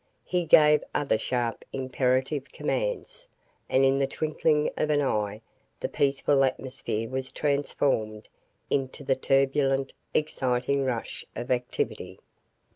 He gave other sharp, imperative commands, and in the twinkling of an eye the peaceful atmosphere was transformed into the turbulent, exciting rush of activity.